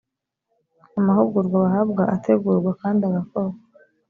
amahugurwa bahabwa ategurwa kandi agakorwa